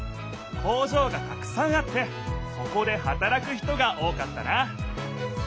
工場がたくさんあってそこではたらく人が多かったな。